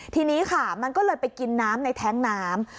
ทีนี้ค่ะมันก็เลยไปกินน้ำในแท้งน้ำ